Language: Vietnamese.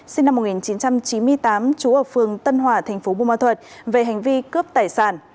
sinh năm một nghìn chín trăm chín mươi tám chú ở phường tân hòa tp bùa ma thuận về hành vi cướp tài sản